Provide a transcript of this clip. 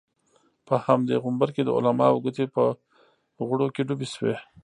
په همدې غومبر کې د علماوو ګوتې په غوړو کې ډوبې شوې.